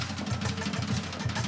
oh jangan lah